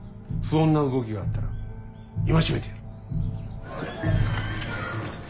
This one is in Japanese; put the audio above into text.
不穏な動きがあったら戒めてやる。